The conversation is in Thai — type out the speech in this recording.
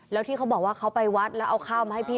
แล้วที่เขาบอกว่าเขาไปวัดแล้วเอาข้าวมาให้พี่